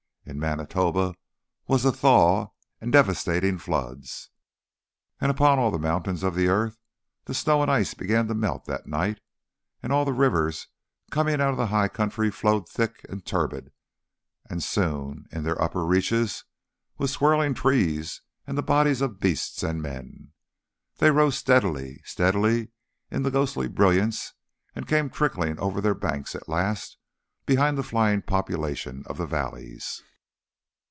In Manitoba was a thaw and devastating floods. And upon all the mountains of the earth the snow and ice began to melt that night, and all the rivers coming out of high country flowed thick and turbid, and soon in their upper reaches with swirling trees and the bodies of beasts and men. They rose steadily, steadily in the ghostly brilliance, and came trickling over their banks at last, behind the flying population of their valleys.